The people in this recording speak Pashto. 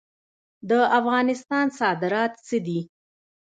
د افغانستان صادرات څه دي؟